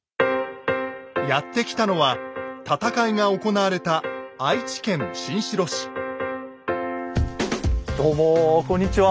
やって来たのは戦いが行われたどうもこんにちは。